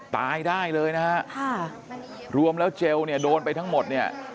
ตายได้เลยนะฮะค่ะรวมแล้วเจลเนี่ยโดนไปทั้งหมดเนี่ย